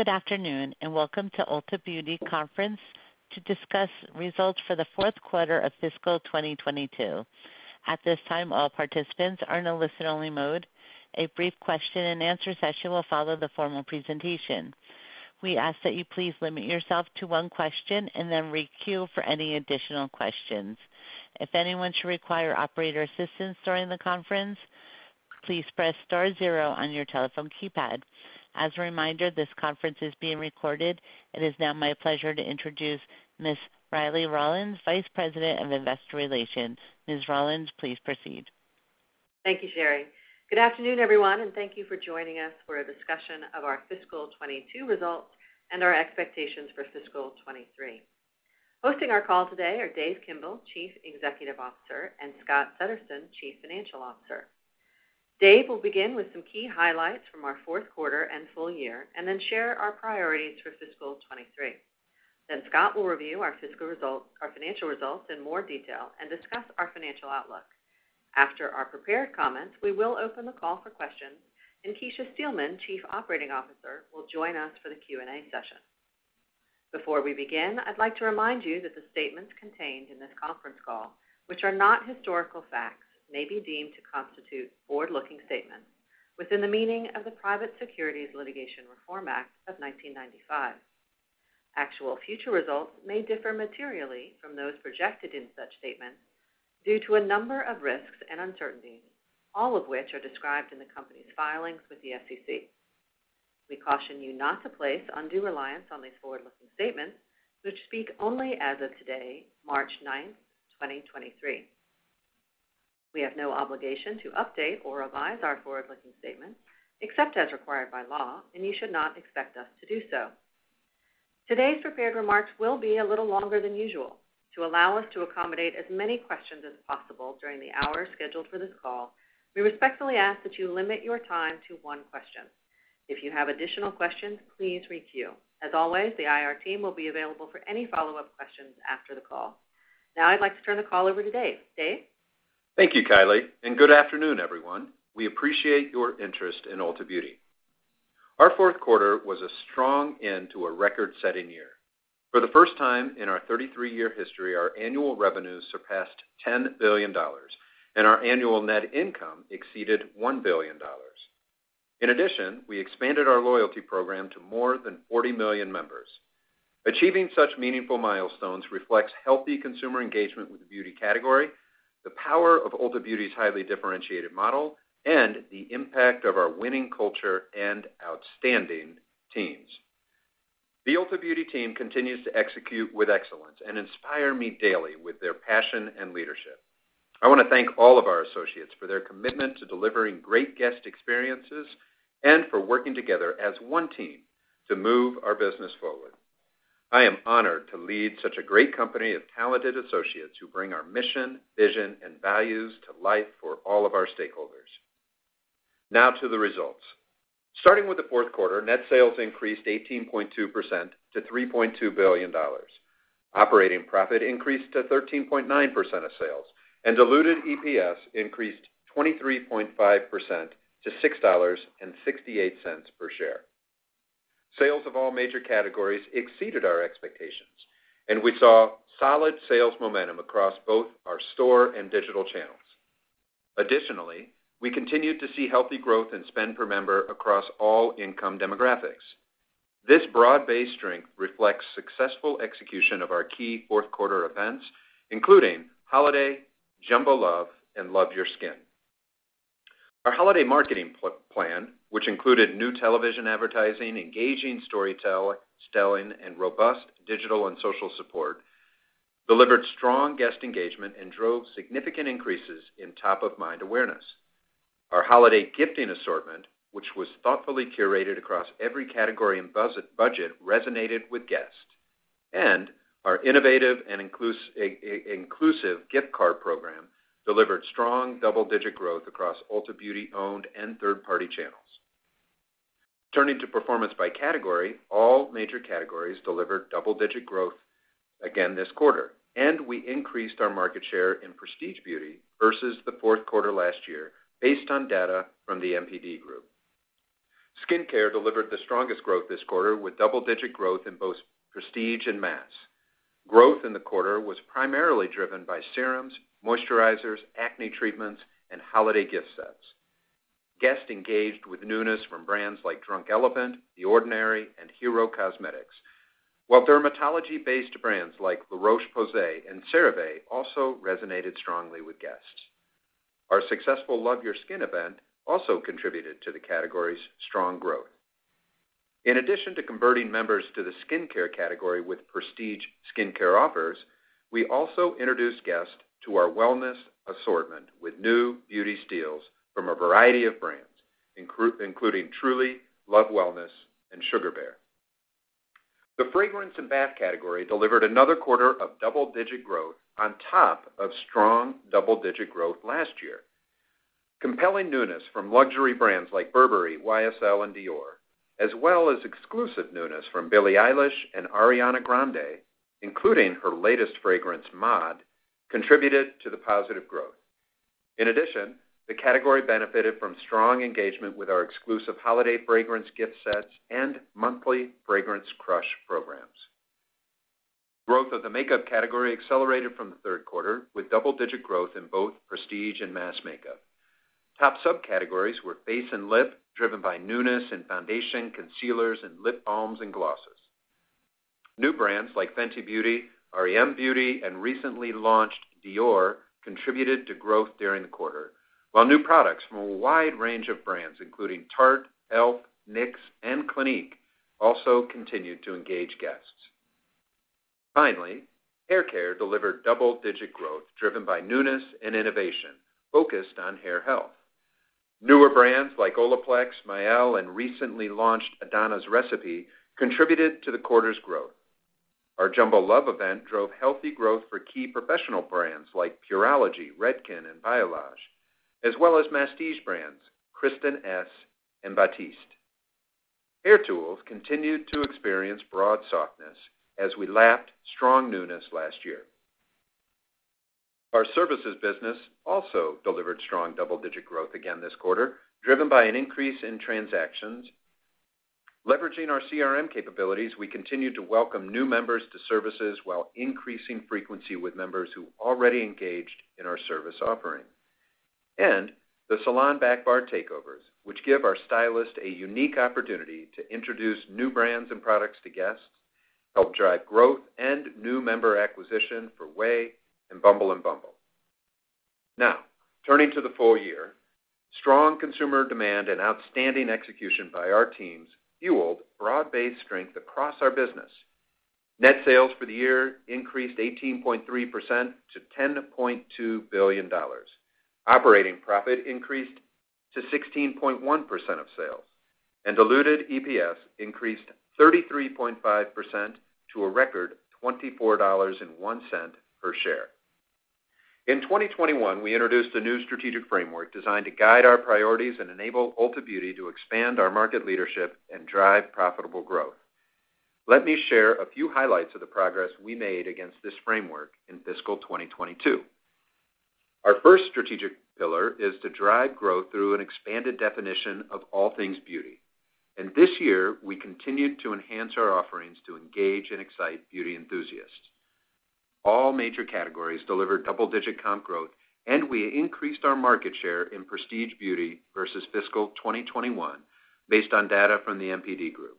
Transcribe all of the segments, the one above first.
Good afternoon, welcome to Ulta Beauty conference to discuss results for the fourth quarter of fiscal 2022. At this time, all participants are in a listen-only mode. A brief question-and-answer session will follow the formal presentation. We ask that you please limit yourself to one question then re-queue for any additional questions. If anyone should require operator assistance during the conference, please press star zero on your telephone keypad. As a reminder, this conference is being recorded. It is now my pleasure to introduce Ms. Kiley Rawlins, Vice President of Investor Relations. Ms. Rawlins, please proceed. Thank you, Sherry. Good afternoon, everyone, thank you for joining us for a discussion of our fiscal 22 results and our expectations for fiscal 2022. Hosting our call today are Dave Kimbell, Chief Executive Officer, and Scott Settersten, Chief Financial Officer. Dave will begin with some key highlights from our fourth quarter and full year, and then share our priorities for fiscal 2022. Scott will review our fiscal results, our financial results in more detail and discuss our financial outlook. After our prepared comments, we will open the call for questions, and Kecia Steelman, Chief Operating Officer, will join us for the Q&A session. Before we begin, I'd like to remind you that the statements contained in this conference call, which are not historical facts, may be deemed to constitute forward-looking statements within the meaning of the Private Securities Litigation Reform Act of 1995. Actual future results may differ materially from those projected in such statements due to a number of risks and uncertainties, all of which are described in the company's filings with the SEC. We caution you not to place undue reliance on these forward-looking statements, which speak only as of today, March 9, 2023. We have no obligation to update or revise our forward-looking statements, except as required by law, and you should not expect us to do so. Today's prepared remarks will be a little longer than usual. To allow us to accommodate as many questions as possible during the hour scheduled for this call, we respectfully ask that you limit your time to one question. If you have additional questions, please re-queue. As always, the IR team will be available for any follow-up questions after the call. Now I'd like to turn the call over to Dave. Dave? Thank you, Kiley. Good afternoon, everyone. We appreciate your interest in Ulta Beauty. Our fourth quarter was a strong end to a record-setting year. For the first time in our 33-year history, our annual revenues surpassed $10 billion, and our annual net income exceeded $1 billion. In addition, we expanded our loyalty program to more than 40 million members. Achieving such meaningful milestones reflects healthy consumer engagement with the beauty category, the power of Ulta Beauty's highly differentiated model, and the impact of our winning culture and outstanding teams. The Ulta Beauty team continues to execute with excellence and inspire me daily with their passion and leadership. I wanna thank all of our associates for their commitment to delivering great guest experiences and for working together as one team to move our business forward. I am honored to lead such a great company of talented associates who bring our mission, vision, and values to life for all of our stakeholders. Now to the results. Starting with the fourth quarter, net sales increased 18.2% to $3.2 billion. Operating profit increased to 13.9% of sales. Diluted EPS increased 23.5% to $6.68 per share. Sales of all major categories exceeded our expectations. We saw solid sales momentum across both our store and digital channels. Additionally, we continued to see healthy growth in spend per member across all income demographics. This broad-based strength reflects successful execution of our key fourth quarter events, including Holiday, Jumbo Love, and Love Your Skin. Our holiday marketing plan, which included new television advertising, engaging storytelling, and robust digital and social support, delivered strong guest engagement and drove significant increases in top-of-mind awareness. Our holiday gifting assortment, which was thoughtfully curated across every category and budget, resonated with guests. Our innovative and inclusive gift card program delivered strong double-digit growth across Ulta Beauty-owned and third-party channels. Turning to performance by category, all major categories delivered double-digit growth again this quarter, and we increased our market share in prestige beauty versus the fourth quarter last year based on data from The NPD Group. Skincare delivered the strongest growth this quarter with double-digit growth in both prestige and mass. Growth in the quarter was primarily driven by serums, moisturizers, acne treatments, and holiday gift sets. Guests engaged with newness from brands like Drunk Elephant, The Ordinary, and Hero Cosmetics. While dermatology-based brands like La Roche-Posay and CeraVe also resonated strongly with guests. Our successful Love Your Skin event also contributed to the category's strong growth. To converting members to the skincare category with prestige skincare offers, we also introduced guests to our wellness assortment with new beauty steals from a variety of brands, including Truly, Love Wellness, and Sugarbear. The fragrance and bath category delivered another quarter of double-digit growth on top of strong double-digit growth last year. Compelling newness from luxury brands like Burberry, YSL, and Dior, as well as exclusive newness from Billie Eilish and Ariana Grande, including her latest fragrance, Mod, contributed to the positive growth. The category benefited from strong engagement with our exclusive holiday fragrance gift sets and monthly Fragrance Crush programs. Growth of the makeup category accelerated from the third quarter, with double-digit growth in both prestige and mass makeup. Top subcategories were face and lip, driven by newness in foundation concealers and lip balms and glosses. New brands like Fenty Beauty, r.e.m. beauty, and recently launched Dior contributed to growth during the quarter, while new products from a wide range of brands, including Tarte, e.l.f., NYX, and Clinique, also continued to engage guests. Finally, hair care delivered double-digit growth, driven by newness and innovation focused on hair health. Newer brands like OLAPLEX, Mielle, and recently launched DONNA'S RECIPE contributed to the quarter's growth. Our Jumbo Love event drove healthy growth for key professional brands like Pureology, Redken, and Biolage, as well as Mastige brands, Kristin Ess and Batiste. Hair tools continued to experience broad softness as we lapped strong newness last year. Our services business also delivered strong double-digit growth again this quarter, driven by an increase in transactions. Leveraging our CRM capabilities, we continued to welcome new members to services while increasing frequency with members who already engaged in our service offering. The salon backbar takeovers, which give our stylist a unique opportunity to introduce new brands and products to guests, help drive growth and new member acquisition for OUAI and Bumble and bumble. Turning to the full year, strong consumer demand and outstanding execution by our teams fueled broad-based strength across our business. Net sales for the year increased 18.3% to $10.2 billion. Operating profit increased to 16.1% of sales, diluted EPS increased 33.5% to a record $24.01 per share. In 2021, we introduced a new strategic framework designed to guide our priorities and enable Ulta Beauty to expand our market leadership and drive profitable growth. Let me share a few highlights of the progress we made against this framework in fiscal 2022. Our first strategic pillar is to drive growth through an expanded definition of all things beauty. This year, we continued to enhance our offerings to engage and excite beauty enthusiasts. All major categories delivered double-digit comp growth, and we increased our market share in prestige beauty versus fiscal 2021 based on data from The NPD Group.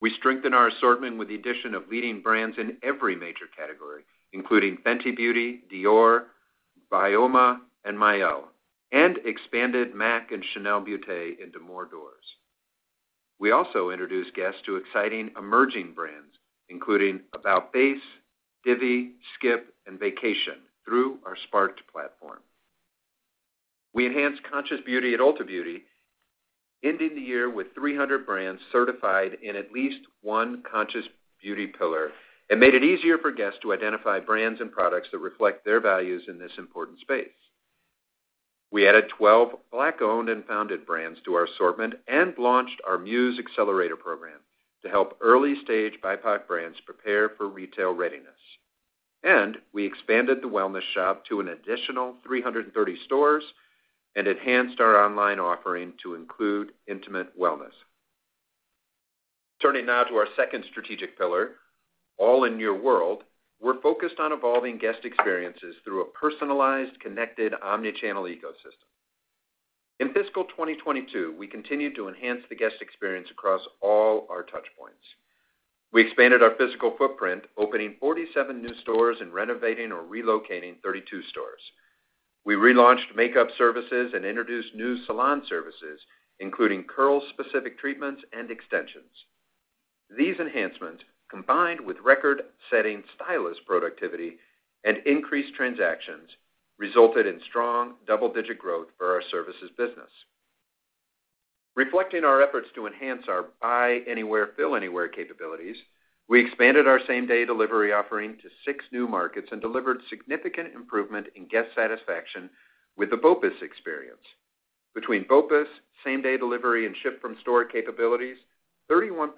We strengthened our assortment with the addition of leading brands in every major category, including FENTY BEAUTY by Rihanna, Dior, BYOMA, and Mielle Organics, and expanded MAC and CHANEL into more doors. We also introduced guests to exciting emerging brands, including about-face, Divi, SK*P, and Vacation through our Sparked platform. We enhanced Conscious Beauty at Ulta Beauty, ending the year with 300 brands certified in at least one Conscious Beauty pillar and made it easier for guests to identify brands and products that reflect their values in this important space. We added 12 Black-owned and founded brands to our assortment and launched our MUSE Accelerator program to help early-stage BIPOC brands prepare for retail readiness. We expanded The Wellness Shop to an additional 330 stores and enhanced our online offering to include intimate wellness. Turning now to our second strategic pillar, all in your world, we're focused on evolving guest experiences through a personalized, connected, omni-channel ecosystem. In fiscal 2022, we continued to enhance the guest experience across all our touch points. We expanded our physical footprint, opening 47 new stores and renovating or relocating 32 stores. We relaunched makeup services and introduced new salon services, including curl-specific treatments and extensions. These enhancements, combined with record-setting stylist productivity and increased transactions, resulted in strong double-digit growth for our services business. Reflecting our efforts to enhance our buy anywhere, fill anywhere capabilities, we expanded our same-day delivery offering to six new markets and delivered significant improvement in guest satisfaction with the BOPUS experience. Between BOPUS, same-day delivery, and ship-from-store capabilities, 31%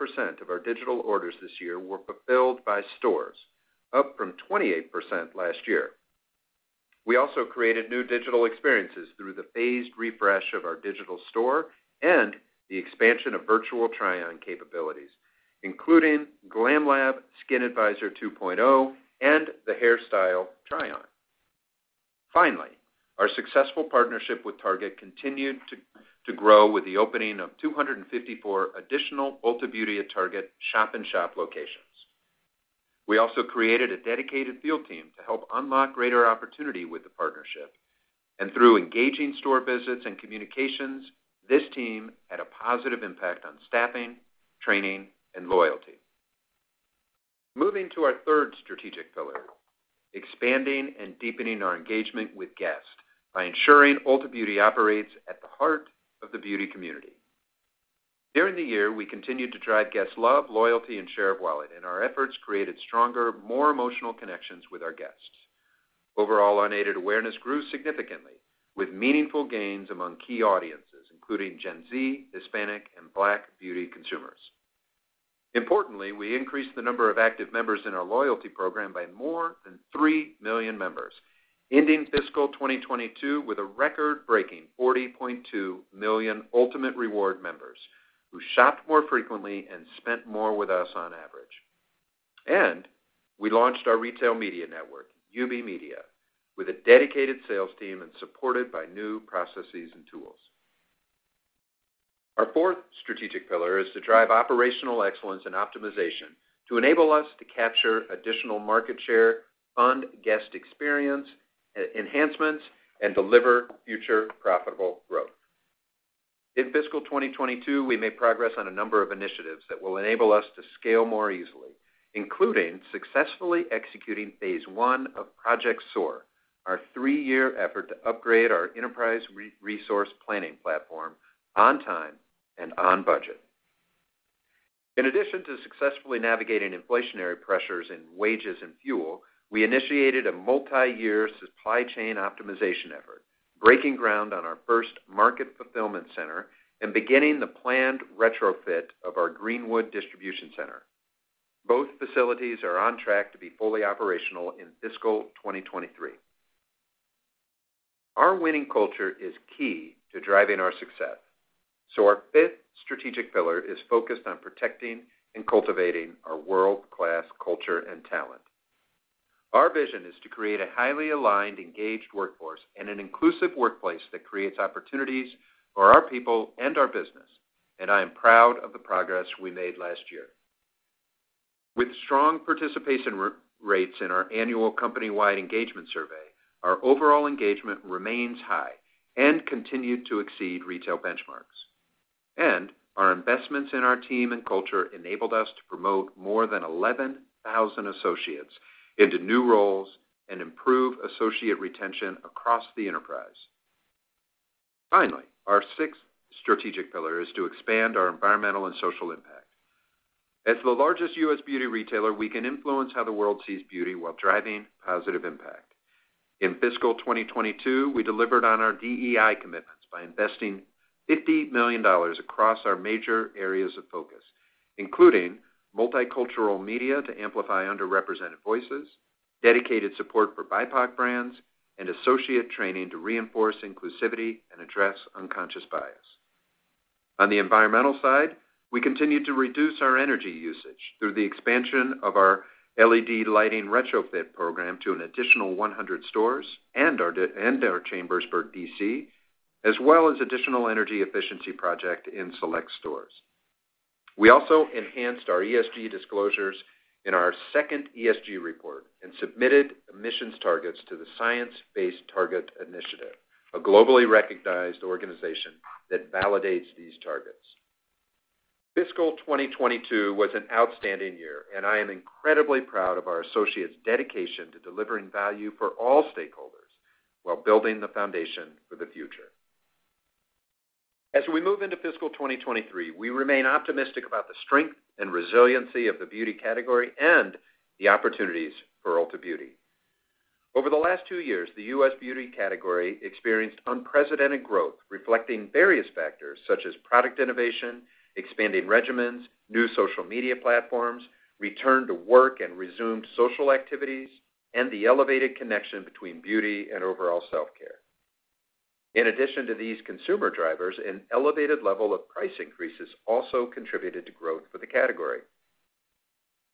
of our digital orders this year were fulfilled by stores, up from 28% last year. We also created new digital experiences through the phased refresh of our digital store and the expansion of virtual try-on capabilities, including GLAMlab, Skin Advisor 2.0, and the GLAMlab Hair Try-On. Finally, our successful partnership with Target continued to grow with the opening of 254 additional Ulta Beauty at Target shop-in-shop locations. We also created a dedicated field team to help unlock greater opportunity with the partnership, and through engaging store visits and communications, this team had a positive impact on staffing, training, and loyalty. Moving to our third strategic pillar, expanding and deepening our engagement with guests by ensuring Ulta Beauty operates at the heart of the beauty community. During the year, we continued to drive guest love, loyalty, and share of wallet, and our efforts created stronger, more emotional connections with our guests. Overall, unaided awareness grew significantly, with meaningful gains among key audiences, including Gen Z, Hispanic, and Black beauty consumers. Importantly, we increased the number of active members in our loyalty program by more than 3 million members, ending fiscal 2022 with a record-breaking 40.2 million Ultamate Rewards members who shopped more frequently and spent more with us on average. We launched our retail media network, UB Media, with a dedicated sales team and supported by new processes and tools. Our fourth strategic pillar is to drive operational excellence and optimization to enable us to capture additional market share, fund guest experience enhancements, and deliver future profitable growth. In fiscal 2022, we made progress on a number of initiatives that will enable us to scale more easily, including successfully executing phase one of Project SOAR, our three-year effort to upgrade our Enterprise Resource Planning platform on time and on budget. In addition to successfully navigating inflationary pressures in wages and fuel, we initiated a multi-year supply chain optimization effort, breaking ground on our first market fulfillment center and beginning the planned retrofit of our Greenwood distribution center. Both facilities are on track to be fully operational in fiscal 2023. Our winning culture is key to driving our success, our fifth strategic pillar is focused on protecting and cultivating our world-class culture and talent. Our vision is to create a highly aligned, engaged workforce and an inclusive workplace that creates opportunities for our people and our business. I am proud of the progress we made last year. With strong participation rates in our annual company-wide engagement survey, our overall engagement remains high and continued to exceed retail benchmarks. Our investments in our team and culture enabled us to promote more than 11,000 associates into new roles and improve associate retention across the enterprise. Finally, our sixth strategic pillar is to expand our environmental and social impact. As the largest U.S. beauty retailer, we can influence how the world sees beauty while driving positive impact. In fiscal 2022, we delivered on our DEI commitments by investing $50 million across our major areas of focus, including multicultural media to amplify underrepresented voices, dedicated support for BIPOC brands, and associate training to reinforce inclusivity and address unconscious bias. On the environmental side, we continued to reduce our energy usage through the expansion of our LED lighting retrofit program to an additional 100 stores and our Chambersburg DC, as well as additional energy efficiency project in select stores. We also enhanced our ESG disclosures in our second ESG report and submitted emissions targets to the Science Based Targets initiative, a globally recognized organization that validates these targets. Fiscal 2022 was an outstanding year, and I am incredibly proud of our associates' dedication to delivering value for all stakeholders while building the foundation for the future. As we move into fiscal 2023, we remain optimistic about the strength and resiliency of the beauty category and the opportunities for Ulta Beauty. Over the last two years, the U.S. beauty category experienced unprecedented growth, reflecting various factors such as product innovation, expanding regimens, new social media platforms, return to work and resumed social activities, and the elevated connection between beauty and overall self-care. In addition to these consumer drivers, an elevated level of price increases also contributed to growth for the category.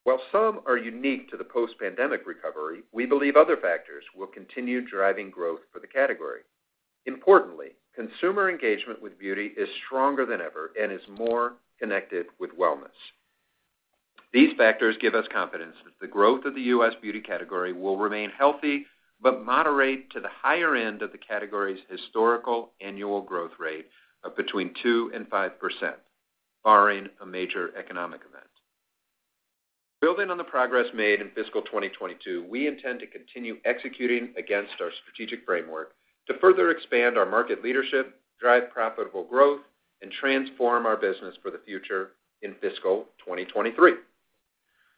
While some are unique to the post-pandemic recovery, we believe other factors will continue driving growth for the category. Importantly, consumer engagement with beauty is stronger than ever and is more connected with wellness. These factors give us confidence that the growth of the U.S. beauty category will remain healthy, but moderate to the higher end of the category's historical annual growth rate of between 2% and 5%, barring a major economic event. Building on the progress made in fiscal 2022, we intend to continue executing against our strategic framework to further expand our market leadership, drive profitable growth, and transform our business for the future in fiscal 2023.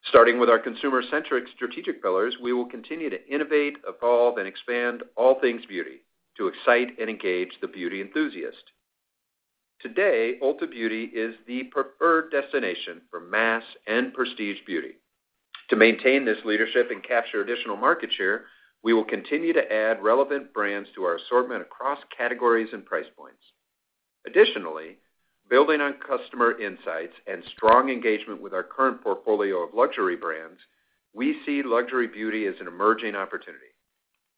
Starting with our consumer-centric strategic pillars, we will continue to innovate, evolve, and expand all things beauty to excite and engage the beauty enthusiast. Today, Ulta Beauty is the preferred destination for mass and prestige beauty. To maintain this leadership and capture additional market share, we will continue to add relevant brands to our assortment across categories and price points. Additionally, building on customer insights and strong engagement with our current portfolio of luxury brands, we see luxury beauty as an emerging opportunity.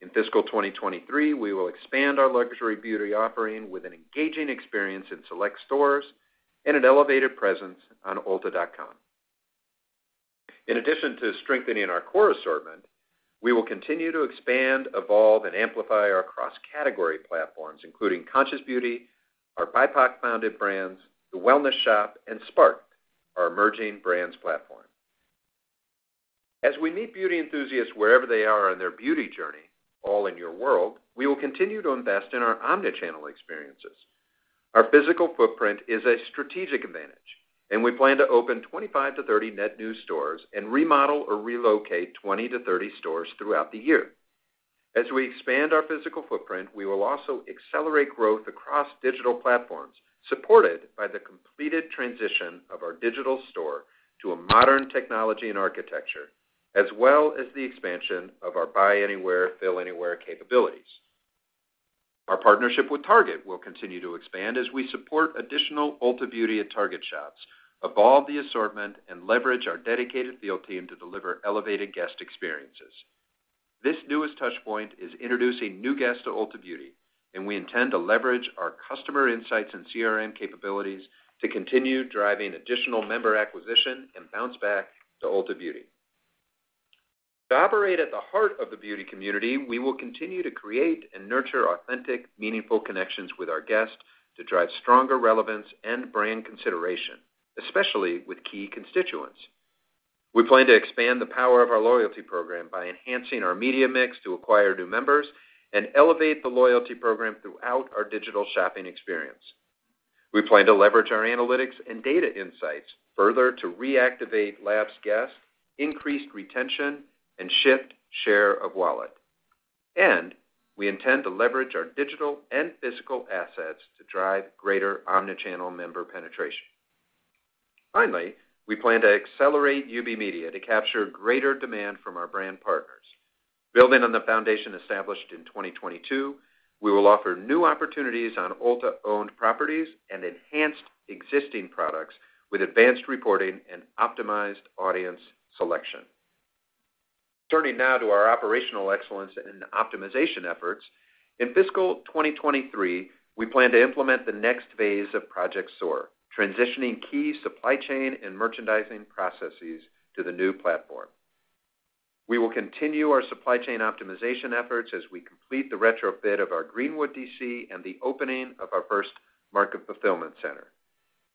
In fiscal 2023, we will expand our luxury beauty offering with an engaging experience in select stores and an elevated presence on ulta.com. In addition to strengthening our core assortment, we will continue to expand, evolve, and amplify our cross-category platforms, including Conscious Beauty, our BIPOC-founded brands, The Wellness Shop, and Sparked, our emerging brands platform. As we meet beauty enthusiasts wherever they are on their beauty journey, all in your world, we will continue to invest in our omnichannel experiences. Our physical footprint is a strategic advantage. We plan to open 25 to 30 net new stores and remodel or relocate 20 to 30 stores throughout the year. As we expand our physical footprint, we will also accelerate growth across digital platforms, supported by the completed transition of our digital store to a modern technology and architecture, as well as the expansion of our Buy Anywhere, Fill Anywhere capabilities. Our partnership with Target will continue to expand as we support additional Ulta Beauty at Target shops, evolve the assortment, and leverage our dedicated field team to deliver elevated guest experiences. This newest touchpoint is introducing new guests to Ulta Beauty. We intend to leverage our customer insights and CRM capabilities to continue driving additional member acquisition and bounce back to Ulta Beauty. To operate at the heart of the beauty community, we will continue to create and nurture authentic, meaningful connections with our guests to drive stronger relevance and brand consideration, especially with key constituents. We plan to expand the power of our loyalty program by enhancing our media mix to acquire new members and elevate the loyalty program throughout our digital shopping experience. We intend to leverage our analytics and data insights further to reactivate lapsed guests, increase retention, and shift share of wallet. Finally, we plan to accelerate UB Media to capture greater demand from our brand partners. Building on the foundation established in 2022, we will offer new opportunities on Ulta-owned properties and enhanced existing products with advanced reporting and optimized audience selection. Turning now to our operational excellence and optimization efforts, in fiscal 2023, we plan to implement the next phase of Project SOAR, transitioning key supply chain and merchandising processes to the new platform. We will continue our supply chain optimization efforts as we complete the retrofit of our Greenwood DC and the opening of our first market fulfillment center.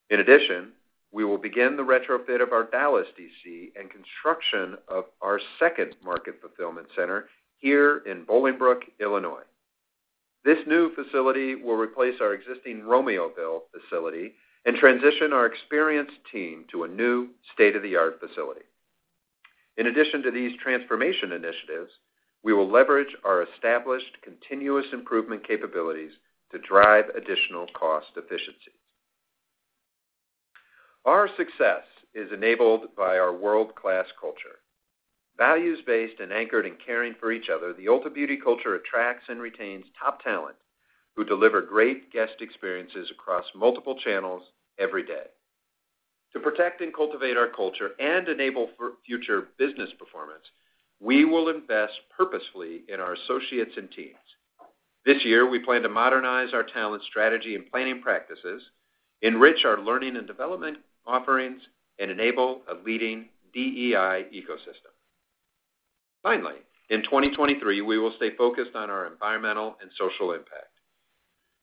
In addition, we will begin the retrofit of our Dallas DC and construction of our second market fulfillment center here in Bolingbrook, Illinois. This new facility will replace our existing Romeoville facility and transition our experienced team to a new state-of-the-art facility. In addition to these transformation initiatives, we will leverage our established continuous improvement capabilities to drive additional cost efficiencies. Our success is enabled by our world-class culture. Values based and anchored in caring for each other, the Ulta Beauty culture attracts and retains top talent who deliver great guest experiences across multiple channels every day. To protect and cultivate our culture and enable future business performance, we will invest purposefully in our associates and teams. This year, we plan to modernize our talent strategy and planning practices, enrich our learning and development offerings, and enable a leading DEI ecosystem. Finally, in 2023, we will stay focused on our environmental and social impact.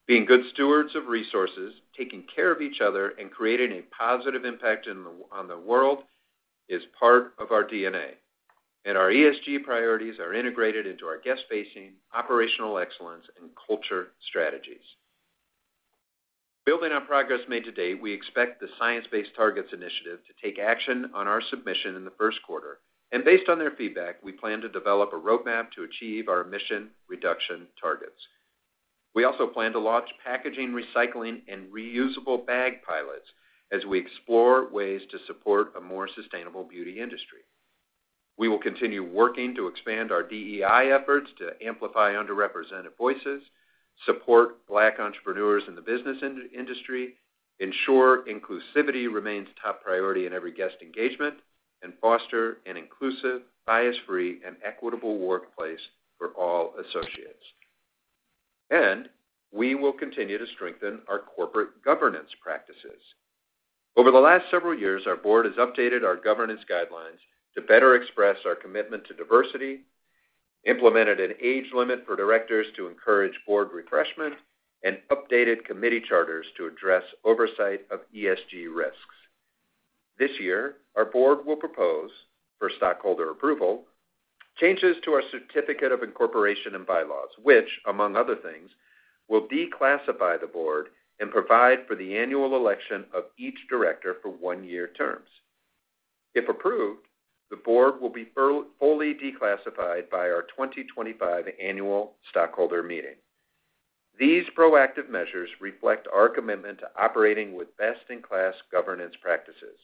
Being good stewards of resources, taking care of each other, and creating a positive impact on the world is part of our DNA, and our ESG priorities are integrated into our guest-facing, operational excellence, and culture strategies. Building on progress made to date, we expect the Science Based Targets initiative to take action on our submission in the first quarter. Based on their feedback, we plan to develop a roadmap to achieve our emission reduction targets. We also plan to launch packaging, recycling, and reusable bag pilots as we explore ways to support a more sustainable beauty industry. We will continue working to expand our DEI efforts to amplify underrepresented voices, support Black entrepreneurs in the business industry, ensure inclusivity remains top priority in every guest engagement, and foster an inclusive, bias-free, and equitable workplace for all associates. We will continue to strengthen our corporate governance practices. Over the last several years, our board has updated our governance guidelines to better express our commitment to diversity, implemented an age limit for directors to encourage board refreshment, and updated committee charters to address oversight of ESG risks. This year, our board will propose, for stockholder approval, changes to our certificate of incorporation and bylaws, which, among other things, will declassify the board and provide for the annual election of each director for one-year terms. If approved, the board will be fully declassified by our 2025 annual stockholder meeting. These proactive measures reflect our commitment to operating with best-in-class governance practices.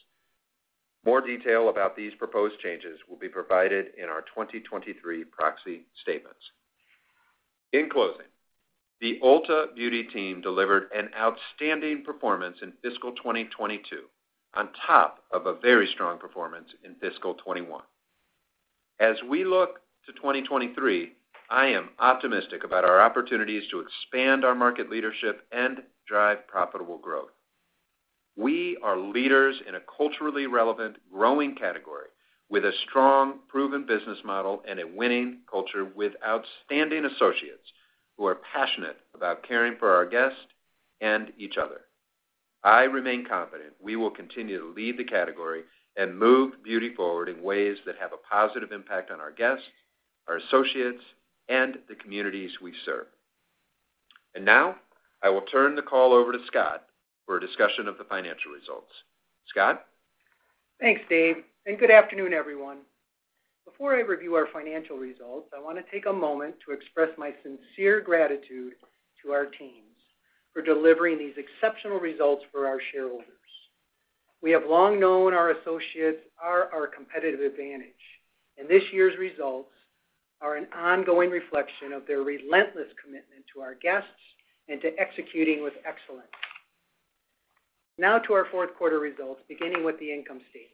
More detail about these proposed changes will be provided in our 2023 proxy statements. In closing, the Ulta Beauty team delivered an outstanding performance in fiscal 2022, on top of a very strong performance in fiscal 2021. As we look to 2023, I am optimistic about our opportunities to expand our market leadership and drive profitable growth. We are leaders in a culturally relevant, growing category with a strong, proven business model and a winning culture with outstanding associates who are passionate about caring for our guests and each other. I remain confident we will continue to lead the category and move beauty forward in ways that have a positive impact on our guests, our associates, and the communities we serve. Now I will turn the call over to Scott for a discussion of the financial results. Scott? Thanks, Dave, and good afternoon, everyone. Before I review our financial results, I want to take a moment to express my sincere gratitude to our teams for delivering these exceptional results for our shareholders. We have long known our associates are our competitive advantage, and this year's results are an ongoing reflection of their relentless commitment to our guests and to executing with excellence. Now to our fourth quarter results, beginning with the income statement.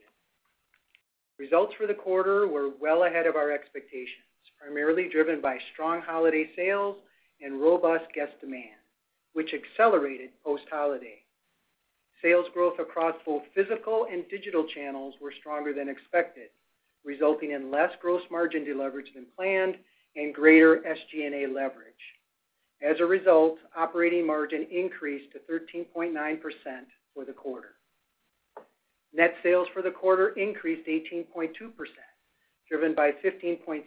Results for the quarter were well ahead of our expectations, primarily driven by strong holiday sales and robust guest demand, which accelerated post-holiday. Sales growth across both physical and digital channels were stronger than expected, resulting in less gross margin deleverage than planned and greater SG&A leverage. As a result, operating margin increased to 13.9% for the quarter. Net sales for the quarter increased 18.2%, driven by 15.6%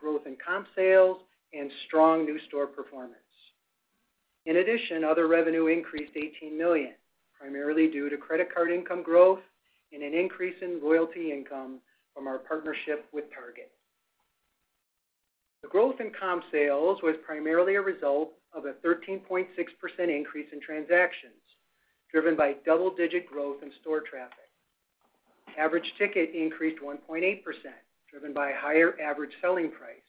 growth in comp sales and strong new store performance. In addition, other revenue increased $18 million, primarily due to credit card income growth and an increase in loyalty income from our partnership with Target. The growth in comp sales was primarily a result of a 13.6% increase in transactions, driven by double-digit growth in store traffic. Average ticket increased 1.8%, driven by higher average selling price,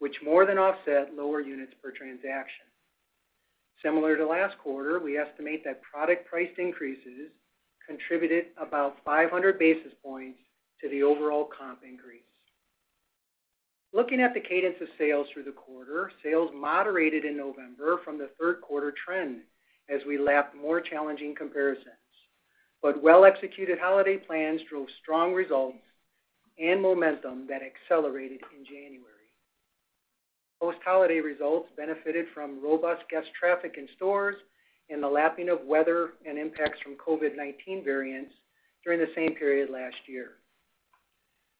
which more than offset lower units per transaction. Similar to last quarter, we estimate that product price increases contributed about 500 basis points to the overall comp increase. Looking at the cadence of sales through the quarter, sales moderated in November from the third quarter trend as we lapped more challenging comparisons. Well-executed holiday plans drove strong results and momentum that accelerated in January. Post-holiday results benefited from robust guest traffic in stores and the lapping of weather and impacts from COVID-19 variants during the same period last year.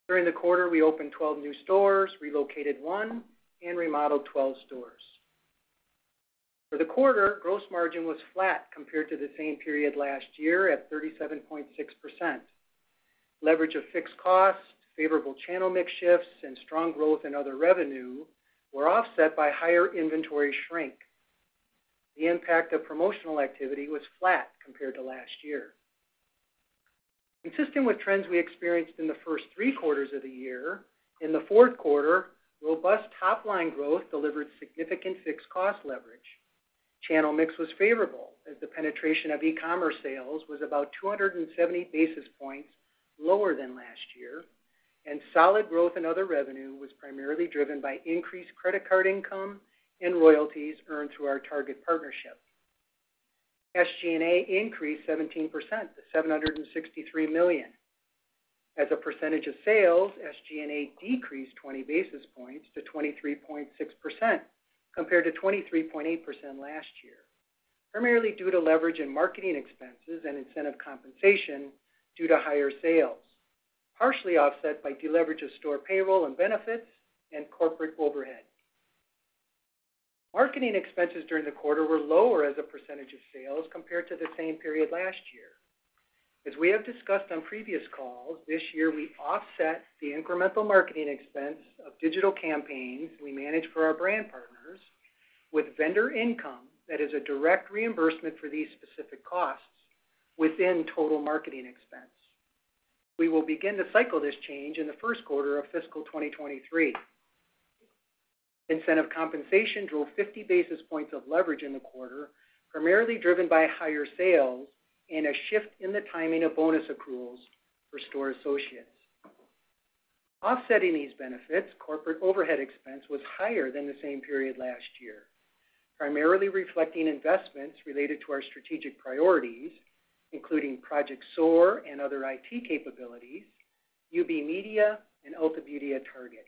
During the quarter, we opened 12 new stores, relocated one, and remodeled 12 stores. For the quarter, gross margin was flat compared to the same period last year at 37.6%. Leverage of fixed costs, favorable channel mix shifts, and strong growth in other revenue were offset by higher inventory shrink. The impact of promotional activity was flat compared to last year. Consistent with trends we experienced in the first three quarters of the year, in the fourth quarter, robust top-line growth delivered significant fixed cost leverage. Channel mix was favorable as the penetration of e-commerce sales was about 270 basis points lower than last year, and solid growth in other revenue was primarily driven by increased credit card income and royalties earned through our Target partnership. SG&A increased 17% to $763 million. As a percentage of sales, SG&A decreased 20 basis points to 23.6%, compared to 23.8% last year, primarily due to leverage in marketing expenses and incentive compensation due to higher sales, partially offset by deleverage of store payroll and benefits and corporate overhead. Marketing expenses during the quarter were lower as a percentage of sales compared to the same period last year. As we have discussed on previous calls, this year we offset the incremental marketing expense of digital campaigns we manage for our brand partners with vendor income that is a direct reimbursement for these specific costs within total marketing expense. We will begin to cycle this change in the first quarter of fiscal 2023. Incentive compensation drove 50 basis points of leverage in the quarter, primarily driven by higher sales and a shift in the timing of bonus accruals for store associates. Offsetting these benefits, corporate overhead expense was higher than the same period last year, primarily reflecting investments related to our strategic priorities, including Project SOAR and other IT capabilities, UB Media, and Ulta Beauty at Target.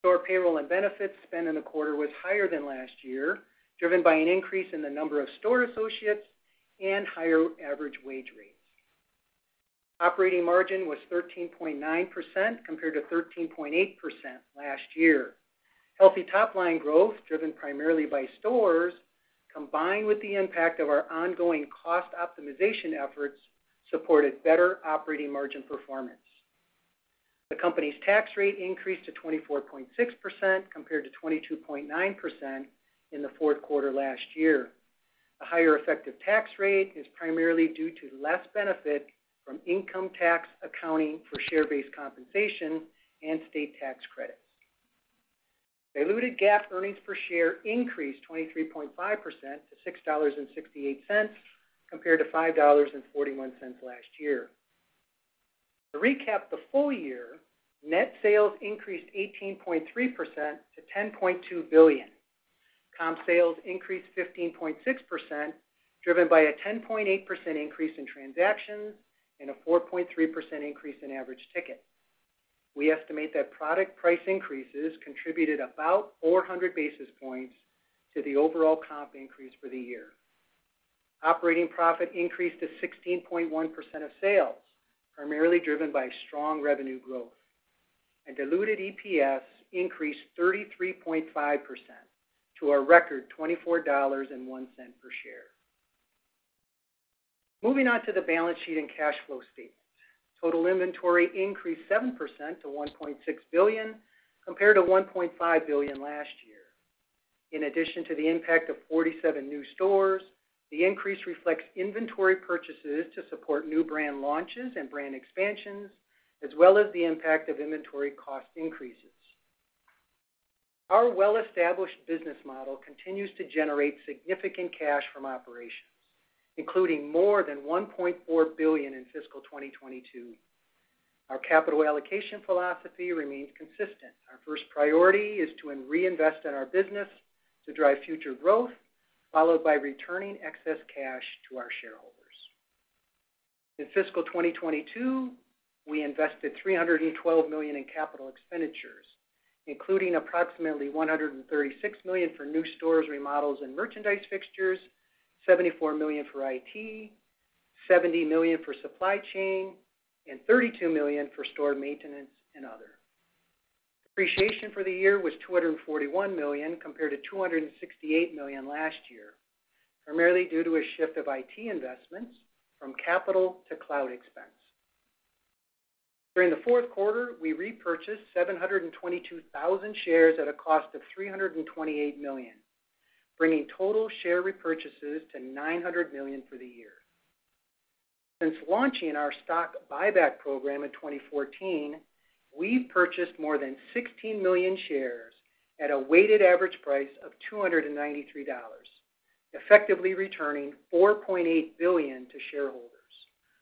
Store payroll and benefits spent in the quarter was higher than last year, driven by an increase in the number of store associates and higher average wage rates. Operating margin was 13.9%, compared to 13.8% last year. Healthy top-line growth, driven primarily by stores, combined with the impact of our ongoing cost optimization efforts, supported better operating margin performance. The company's tax rate increased to 24.6%, compared to 22.9% in the fourth quarter last year. A higher effective tax rate is primarily due to less benefit from income tax accounting for share-based compensation and state tax credits. Diluted GAAP earnings per share increased 23.5% to $6.68, compared to $5.41 last year. To recap the full year, net sales increased 18.3% to $10.2 billion. Comp sales increased 15.6%, driven by a 10.8% increase in transactions and a 4.3% increase in average ticket. We estimate that product price increases contributed about 400 basis points to the overall comp increase for the year. Operating profit increased to 16.1% of sales, primarily driven by strong revenue growth. Diluted EPS increased 33.5% to a record $24.01 per share. Moving on to the balance sheet and cash flow statement. Total inventory increased 7% to $1.6 billion, compared to $1.5 billion last year. In addition to the impact of 47 new stores, the increase reflects inventory purchases to support new brand launches and brand expansions, as well as the impact of inventory cost increases. Our well-established business model continues to generate significant cash from operations, including more than $1.4 billion in fiscal 2022. Our capital allocation philosophy remains consistent. Our first priority is to reinvest in our business to drive future growth, followed by returning excess cash to our shareholders. In fiscal 2022, we invested $312 million in CapEx, including approximately $136 million for new stores, remodels, and merchandise fixtures, $74 million for IT, $70 million for supply chain, and $32 million for store maintenance and other. Depreciation for the year was $241 million, compared to $268 million last year, primarily due to a shift of IT investments from capital to cloud expense. During the fourth quarter, we repurchased 722,000 shares at a cost of $328 million, bringing total share repurchases to $900 million for the year. Since launching our stock buyback program in 2014, we've purchased more than 16 million shares at a weighted average price of $293, effectively returning $4.8 billion to shareholders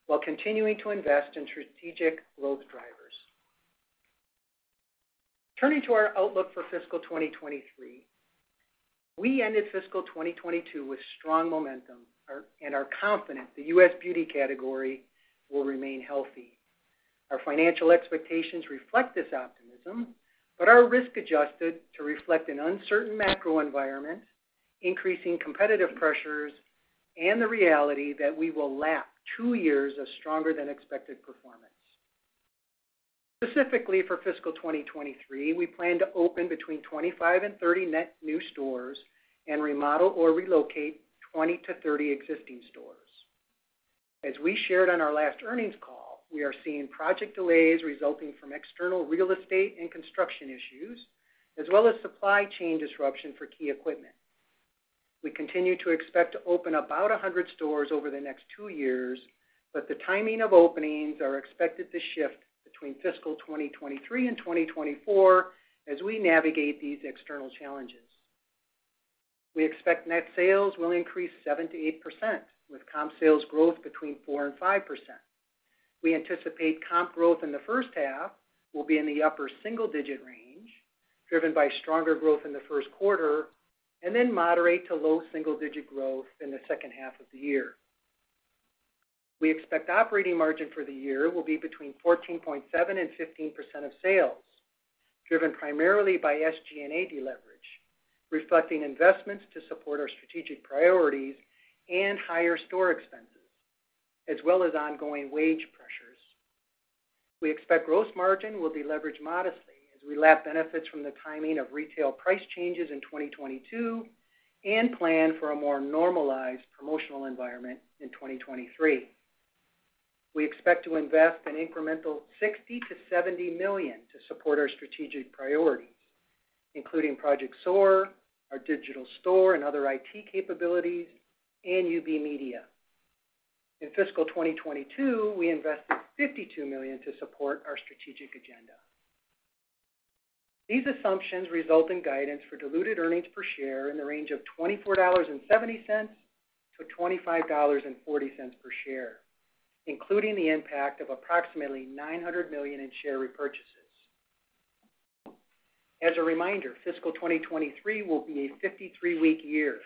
while continuing to invest in strategic growth drivers. Turning to our outlook for fiscal 2023. We ended fiscal 2022 with strong momentum and are confident the U.S. beauty category will remain healthy. Our financial expectations reflect this optimism, but are risk-adjusted to reflect an uncertain macro environment, increasing competitive pressures, and the reality that we will lap two years of stronger than expected performance. Specifically, for fiscal 2023, we plan to open between 25 and 30 net new stores and remodel or relocate 20 to 30 existing stores. As we shared on our last earnings call, we are seeing project delays resulting from external real estate and construction issues, as well as supply chain disruption for key equipment. We continue to expect to open about 100 stores over the next two years, but the timing of openings are expected to shift between fiscal 2023 and 2024 as we navigate these external challenges. We expect net sales will increase 7%-8%, with comp sales growth between 4% and 5%. We anticipate comp growth in the first half will be in the upper single-digit range, driven by stronger growth in the first quarter, and then moderate to low single-digit growth in the second half of the year. We expect operating margin for the year will be between 14.7% and 15% of sales, driven primarily by SG&A deleverage, reflecting investments to support our strategic priorities and higher store expenses, as well as ongoing wage pressures. We expect gross margin will be leveraged modestly as we lap benefits from the timing of retail price changes in 2022 and plan for a more normalized promotional environment in 2023. We expect to invest an incremental $60 million-$70 million to support our strategic priorities, including Project SOAR, our digital store and other IT capabilities, and UB Media. In fiscal 2022, we invested $52 million to support our strategic agenda. These assumptions result in guidance for diluted earnings per share in the range of $24.70-$25.40 per share, including the impact of approximately $900 million in share repurchases. As a reminder, fiscal 2023 will be a 53-week year.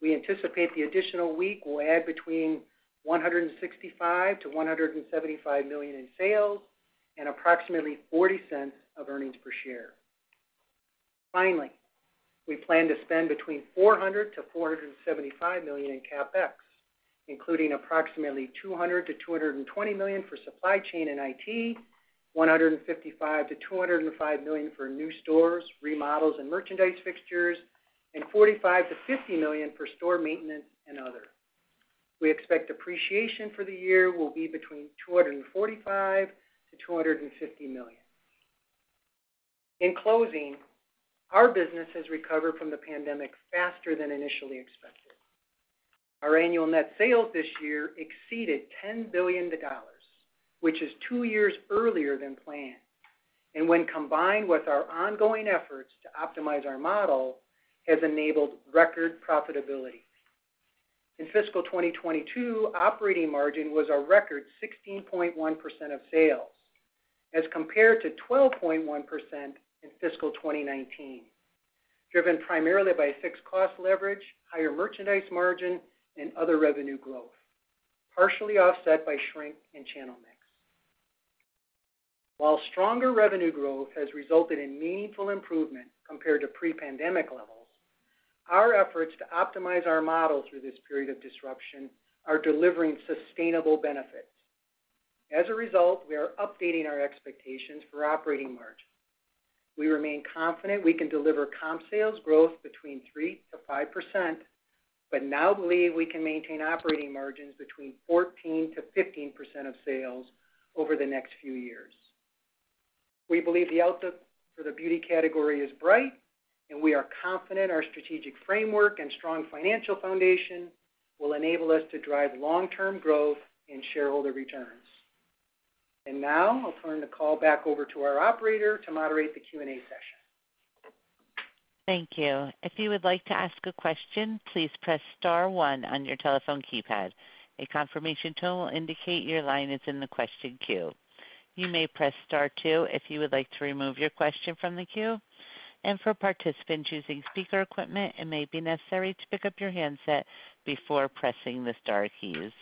We anticipate the additional week will add between $165 million-$175 million in sales and approximately $0.40 of earnings per share. Finally, we plan to spend between $400 million-$475 million in CapEx, including approximately $200 million-$220 million for supply chain and IT, $155 million-$205 million for new stores, remodels, and merchandise fixtures, and $45 million-$50 million for store maintenance and other. We expect depreciation for the year will be between $245 million-$250 million. In closing, our business has recovered from the pandemic faster than initially expected. Our annual net sales this year exceeded $10 billion, which is two years earlier than planned, and when combined with our ongoing efforts to optimize our model, has enabled record profitability. In fiscal 2022, operating margin was a record 16.1% of sales as compared to 12.1% in fiscal 2019, driven primarily by fixed cost leverage, higher merchandise margin, and other revenue growth, partially offset by shrink and channel mix. While stronger revenue growth has resulted in meaningful improvement compared to pre-pandemic levels, our efforts to optimize our model through this period of disruption are delivering sustainable benefits. As a result, we are updating our expectations for operating margin. We remain confident we can deliver comp sales growth between 3%-5%, but now believe we can maintain operating margins between 14%-15% of sales over the next few years. We believe the outlook for the beauty category is bright. We are confident our strategic framework and strong financial foundation will enable us to drive long-term growth in shareholder returns. Now I'll turn the call back over to our operator to moderate the Q&A session. Thank you. If you would like to ask a question, please press star one on your telephone keypad. A confirmation tone will indicate your line is in the question queue. You may press star two if you would like to remove your question from the queue. For participants using speaker equipment, it may be necessary to pick up your handset before pressing the star keys.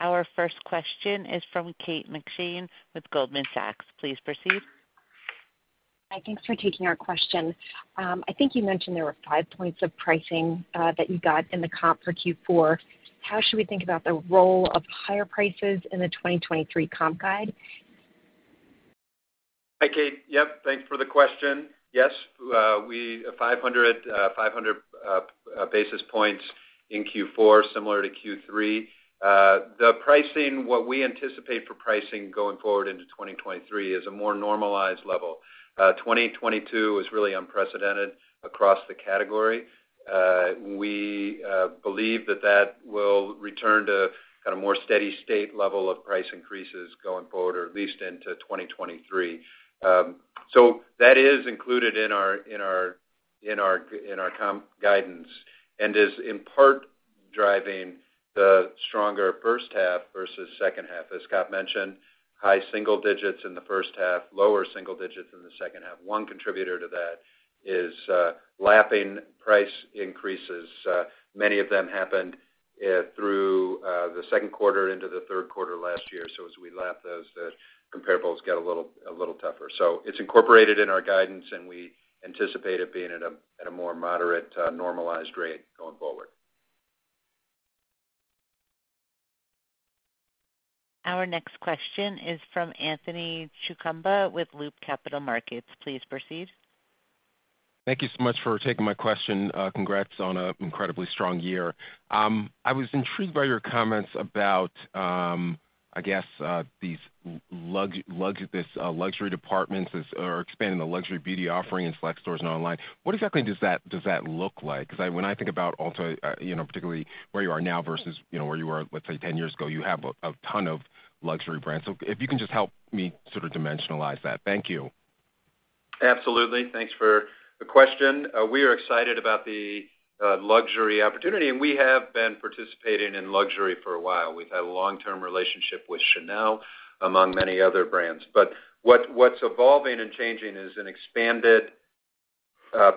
Our first question is from Kate McShane with Goldman Sachs. Please proceed. Hi, thanks for taking our question. I think you mentioned there were five points of pricing, that you got in the comp for Q4. How should we think about the role of higher prices in the 2023 comp guide? Hi, Kate. Yep, thanks for the question. Yes, 500 basis points in Q4, similar to Q3. The pricing, what we anticipate for pricing going forward into 2023 is a more normalized level. 2022 was really unprecedented across the category. We believe that that will return to kind of more steady-state level of price increases going forward, or at least into 2023. That is included in our comp guidance and is in part driving the stronger first half versus second half. As Scott mentioned, high single digits in the first half, lower single digits in the second half. One contributor to that is lapping price increases. Many of them happened through the second quarter into the third quarter last year. As we lap those, the comparables get a little tougher. It's incorporated in our guidance, and we anticipate it being at a more moderate, normalized rate going forward. Our next question is from Anthony Chukumba with Loop Capital Markets. Please proceed. Thank you so much for taking my question. Congrats on an incredibly strong year. I was intrigued by your comments about, I guess, this luxury departments or expanding the luxury beauty offering in select stores and online. What exactly does that look like? Because I when I think about Ulta, you know, particularly where you are now versus, you know, where you were, let's say, 10 years ago, you have a ton of luxury brands. If you can just help me sort of dimensionalize that. Thank you. Absolutely. Thanks for the question. We are excited about the luxury opportunity. We have been participating in luxury for a while. We've had a long-term relationship with Chanel, among many other brands. What's evolving and changing is an expanded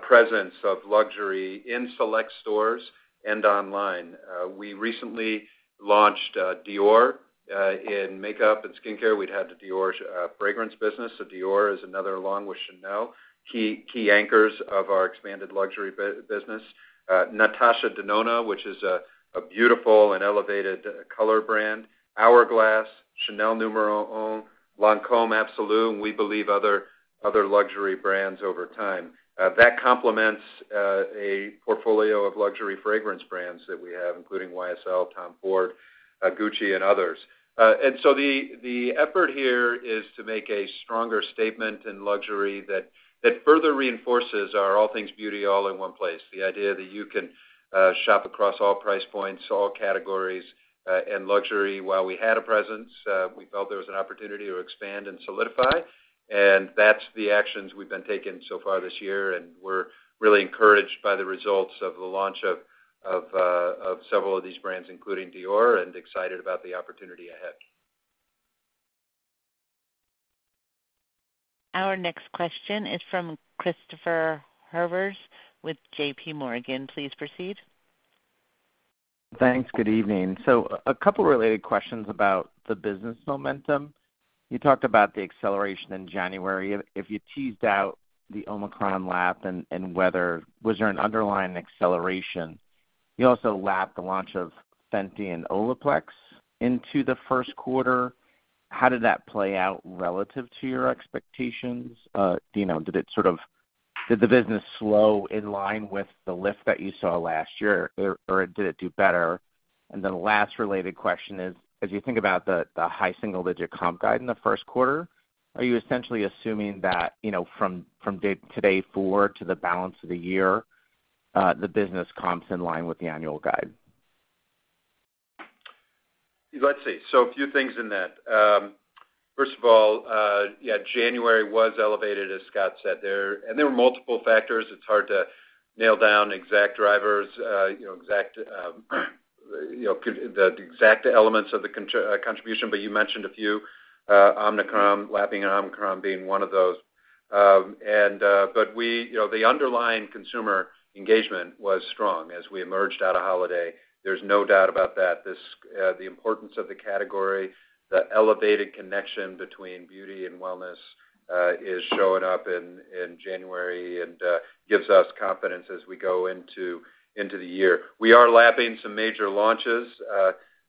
presence of luxury in select stores and online. We recently launched Dior in makeup and skincare. We'd had the Dior fragrance business, so Dior is another, along with Chanel, key anchors of our expanded luxury business. Natasha Denona, which is a beautiful and elevated color brand. HOURGLASS, N°1 DE CHANEL, Lancôme Absolue. We believe other luxury brands over time. That complements a portfolio of luxury fragrance brands that we have, including YSL, TOM FORD, Gucci, and others. The effort here is to make a stronger statement in luxury that further reinforces our all things beauty all in one place, the idea that you can shop across all price points, all categories, and luxury. While we had a presence, we felt there was an opportunity to expand and solidify. That's the actions we've been taking so far this year. We're really encouraged by the results of the launch of several of these brands, including Dior. Excited about the opportunity ahead. Our next question is from Christopher Horvers with JPMorgan. Please proceed. Thanks. Good evening. A couple related questions about the business momentum. You talked about the acceleration in January. If you teased out the Omicron lap, was there an underlying acceleration? You also lapped the launch of Fenty and OLAPLEX into the first quarter. How did that play out relative to your expectations? Do you know, did the business slow in line with the lift that you saw last year or did it do better? Last related question is, as you think about the high single-digit comp guide in the first quarter, are you essentially assuming that, you know, from date today forward to the balance of the year, the business comps in line with the annual guide? Let's see. A few things in that. First of all, yeah, January was elevated, as Scott said there, and there were multiple factors. It's hard to nail down exact drivers, you know, exact, you know, the exact elements of the contribution, but you mentioned a few, Omicron, lapping and Omicron being one of those. We, you know, the underlying consumer engagement was strong as we emerged out of holiday. There's no doubt about that. The importance of the category, the elevated connection between beauty and wellness, is showing up in January and gives us confidence as we go into the year. We are lapping some major launches,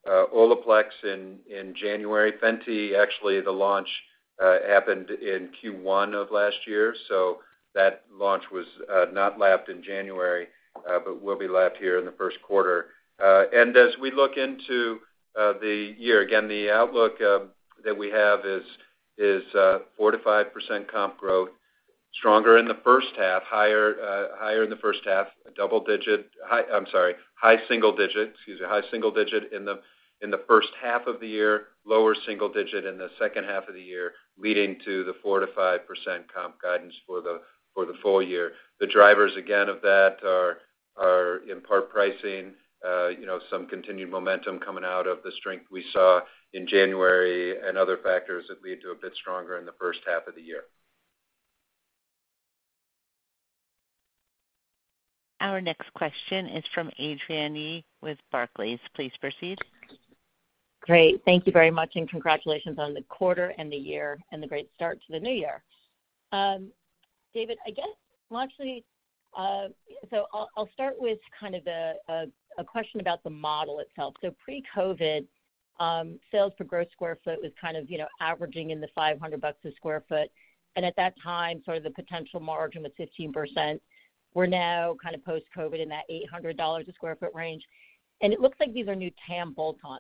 Olaplex in January. Fenty, actually, the launch happened in Q1 of last year, so that launch was not lapped in January, but will be lapped here in the first quarter. As we look into the year, again, the outlook that we have is 4%-5% comp growth, stronger in the first half, higher in the first half, high single digit, excuse me, high single digit in the first half of the year, lower single digit in the second half of the year, leading to the 4%-5% comp guidance for the full year. The drivers, again, of that are in part pricing, you know, some continued momentum coming out of the strength we saw in January and other factors that lead to a bit stronger in the first half of the year. Our next question is from Adrienne Yih with Barclays. Please proceed. Great. Thank you very much, and congratulations on the quarter and the year and the great start to the new year. Dave, I guess, well, actually, I'll start with kind of a question about the model itself. Pre-COVID, sales per gross square foot was kind of, you know, averaging in the $500 a square foot. At that time, sort of the potential margin was 15%. We're now kind of post-COVID in that $800 a square foot range. It looks like these are new TAM bolt-on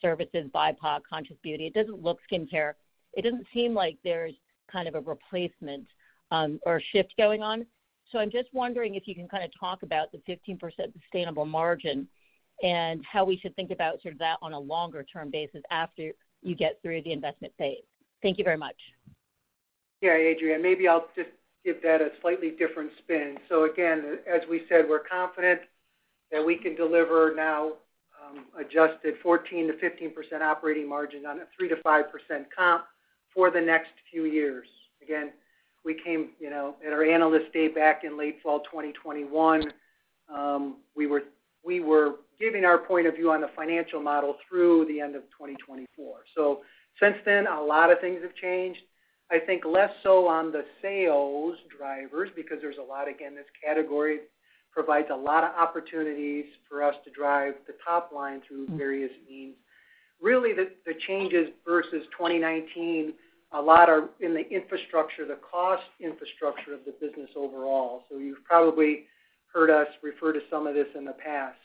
services, BOPUS, Conscious Beauty. It doesn't look skincare. It doesn't seem like there's kind of a replacement, or a shift going on. I'm just wondering if you can kind of talk about the 15% sustainable margin and how we should think about sort of that on a longer term basis after you get through the investment phase. Thank you very much. Yeah, Adrienne, maybe I'll just give that a slightly different spin. Again, as we said, we're confident that we can deliver now, adjusted 14%-15% operating margin on a 3%-5% comp for the next few years. Again, we came, you know, at our Analyst Day back in late fall 2021, we were giving our point of view on the financial model through the end of 2024. Since then, a lot of things have changed. I think less so on the sales drivers because there's a lot, again, this category provides a lot of opportunities for us to drive the top line through various means. The changes versus 2019, a lot are in the infrastructure, the cost infrastructure of the business overall. You've probably heard us refer to some of this in the past.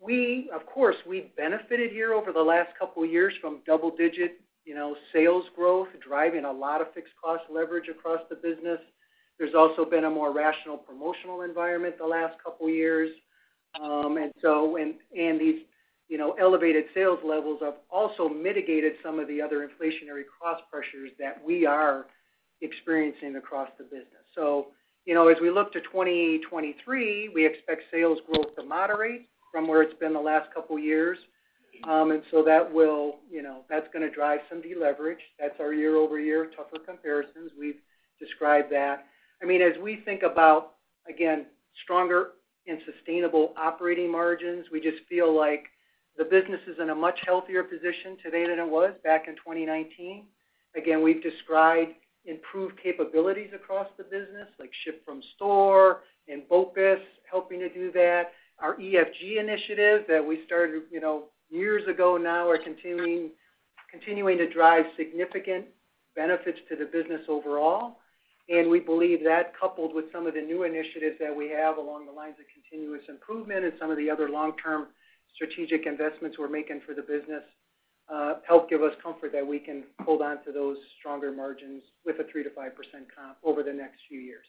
We, of course, we've benefited here over the last couple years from double-digit, you know, sales growth, driving a lot of fixed cost leverage across the business. There's also been a more rational promotional environment the last couple years. These, you know, elevated sales levels have also mitigated some of the other inflationary cost pressures that we are experiencing across the business. You know, as we look to 2023, we expect sales growth to moderate from where it's been the last couple years. That will, you know, that's gonna drive some deleverage. That's our year-over-year tougher comparisons. We've described that. I mean, as we think about, again, stronger and sustainable operating margins, we just feel like the business is in a much healthier position today than it was back in 2019. Again, we've described improved capabilities across the business, like ship from store and BOPUS helping to do that. Our ESG initiative that we started, you know, years ago now are continuing to drive significant benefits to the business overall. We believe that coupled with some of the new initiatives that we have along the lines of continuous improvement and some of the other long-term strategic investments we're making for the business, help give us comfort that we can hold on to those stronger margins with a 3%-5% comp over the next few years.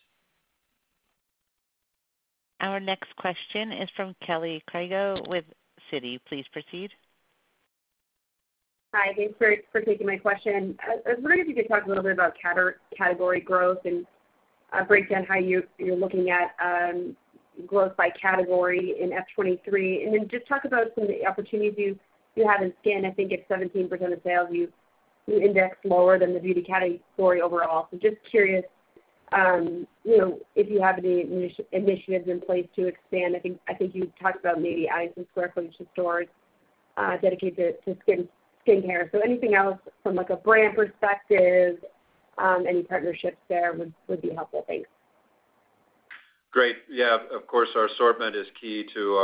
Our next question is from Kelly Crago with Citi. Please proceed. Hi. Thanks for taking my question. I was wondering if you could talk a little bit about category growth and break down how you're looking at growth by category in FY 2023. Just talk about some of the opportunities you have in skin. I think it's 17% of sales. You index lower than the beauty category overall. Just curious, you know, if you have any initiatives in place to expand. I think you talked about maybe adding some square footage to stores dedicated to skin care. Anything else from, like, a brand perspective, any partnerships there would be helpful. Thanks. Great. Yeah, of course, our assortment is key to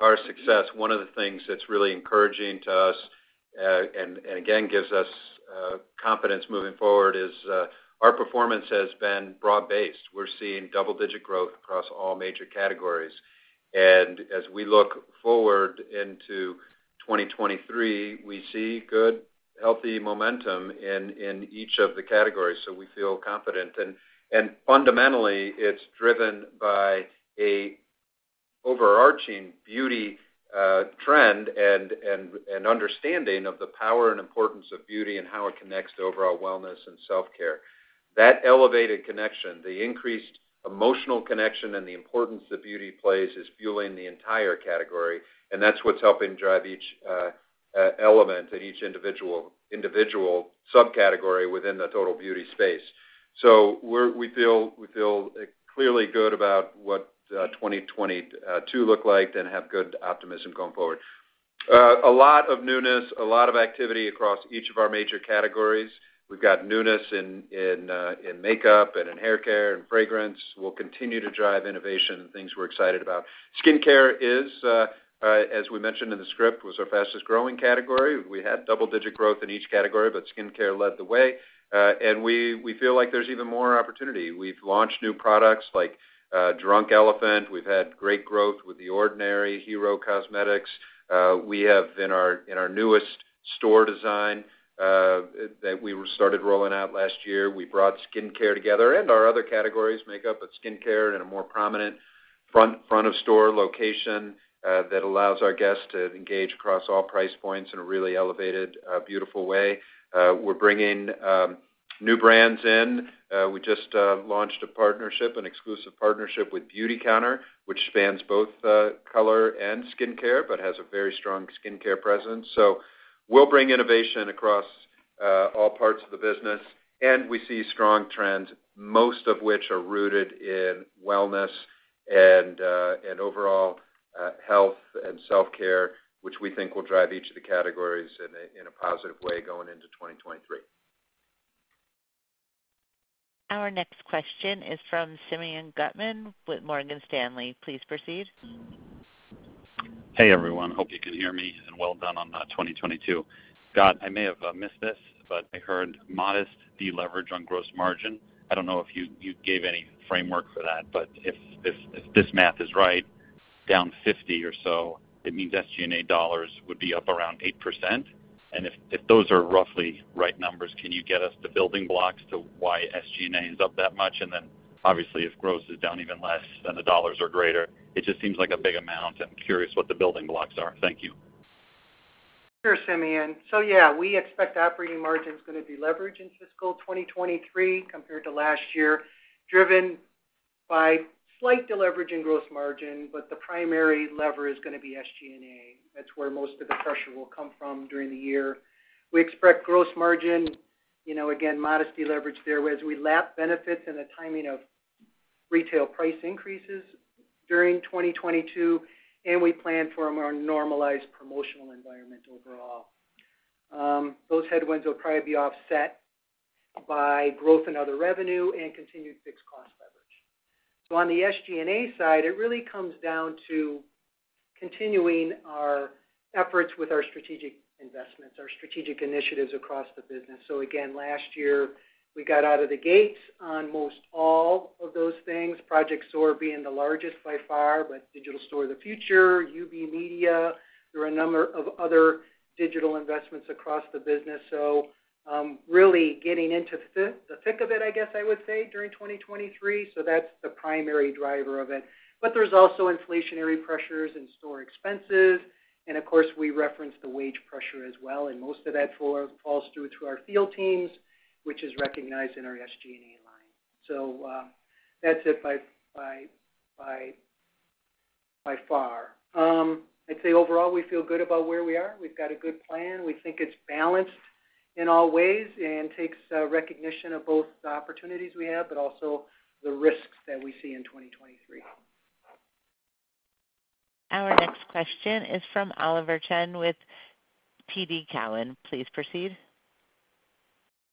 our success. One of the things that's really encouraging to us, and again, gives us confidence moving forward is our performance has been broad-based. We're seeing double-digit growth across all major categories. As we look forward into 2023, we see good, healthy momentum in each of the categories, so we feel confident. Fundamentally, it's driven by a overarching beauty trend and understanding of the power and importance of beauty and how it connects to overall wellness and self-care. That elevated connection, the increased emotional connection, and the importance that beauty plays is fueling the entire category, and that's what's helping drive each element and each individual subcategory within the total beauty space. We feel clearly good about what 2022 looked like and have good optimism going forward. A lot of newness, a lot of activity across each of our major categories. We've got newness in makeup and in hair care and fragrance. We'll continue to drive innovation and things we're excited about. Skincare is, as we mentioned in the script, was our fastest-growing category. We had double-digit growth in each category, but skincare led the way. And we feel like there's even more opportunity. We've launched new products like Drunk Elephant. We've had great growth with The Ordinary, Hero Cosmetics. We have in our newest store design that we started rolling out last year, we brought skincare together and our other categories, makeup, but skincare in a more prominent front of store location that allows our guests to engage across all price points in a really elevated, beautiful way. We're bringing new brands in. We just launched a partnership, an exclusive partnership with Beautycounter, which spans both color and skincare, but has a very strong skincare presence. We'll bring innovation across all parts of the business, and we see strong trends, most of which are rooted in wellness and overall health and self-care, which we think will drive each of the categories in a positive way going into 2023. Our next question is from Simeon Gutman with Morgan Stanley. Please proceed. Hey, everyone. Hope you can hear me, well done on 2022. Scott, I may have missed this, I heard modest deleverage on gross margin. I don't know if you gave any framework for that. If this math is right, down 50 or so, it means SG&A dollars would be up around 8%. If those are roughly right numbers, can you get us the building blocks to why SG&A is up that much? Obviously, if gross is down even less, the dollars are greater. It just seems like a big amount. I'm curious what the building blocks are. Thank you. Sure, Simeon. Yeah, we expect operating margin is gonna deleverage in fiscal 2023 compared to last year, driven by slight deleverage in gross margin, but the primary lever is gonna be SG&A. That's where most of the pressure will come from during the year. We expect gross margin, you know, again, modest deleverage there as we lap benefits and the timing of retail price increases during 2022, and we plan for a more normalized promotional environment overall. Those headwinds will probably be offset by growth in other revenue and continued fixed cost leverage. On the SG&A side, it really comes down to continuing our efforts with our strategic investments, our strategic initiatives across the business. Again, last year, we got out of the gates on most all of those things, Project SOAR being the largest by far, Digital Store of the Future, UB Media. There were a number of other digital investments across the business. Really getting into the thick of it, I guess I would say, during 2023. That's the primary driver of it. There's also inflationary pressures and store expenses. Of course, we reference the wage pressure as well, and most of that falls through to our field teams, which is recognized in our SG&A line. That's it by far. I'd say overall, we feel good about where we are. We've got a good plan. We think it's balanced in all ways and takes recognition of both the opportunities we have, but also the risks that we see in 2023. Our next question is from Oliver Chen with TD Cowen. Please proceed.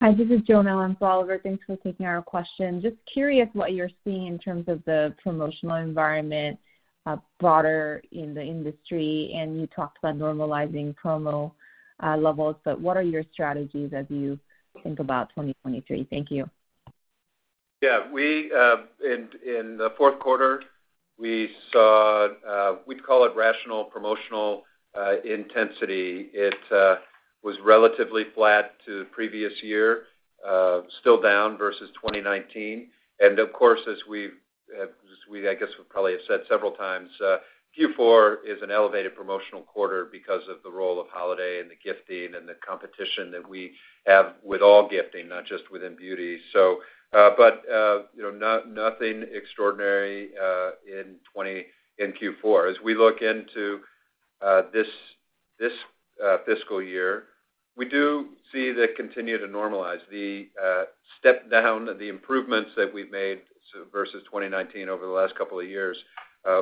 Hi, this is Joan. Oliver, thanks for taking our question. Just curious what you're seeing in terms of the promotional environment, broader in the industry. You talked about normalizing promo levels, what are your strategies as you think about 2023? Thank you. Yeah, we, in the fourth quarter, we saw we'd call it rational promotional intensity. It was relatively flat to the previous year, still down versus 2019. Of course, as we've I guess we probably have said several times, Q4 is an elevated promotional quarter because of the role of holiday and the gifting and the competition that we have with all gifting, not just within beauty. You know, nothing extraordinary in Q4. As we look into this fiscal year, we do see that continue to normalize. The step down, the improvements that we've made versus 2019 over the last couple of years,